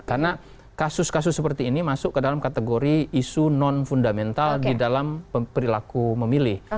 karena kasus kasus seperti ini masuk ke dalam kategori isu non fundamental di dalam perilaku memilih